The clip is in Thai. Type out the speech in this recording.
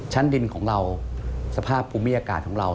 ดินของเราสภาพภูมิอากาศของเรา